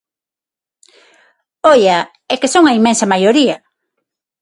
¡Oia!, é que son a inmensa maioría.